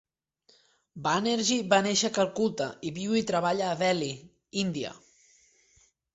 Banerjee va néixer a Calcuta i viu i treballa a Delhi, India.